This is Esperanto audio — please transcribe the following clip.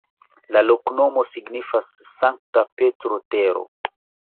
La loknomo signifas Sankta Petro-tero.